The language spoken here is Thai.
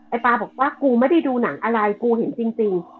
ปลาบอกว่ากูไม่ได้ดูหนังอะไรกูเห็นจริง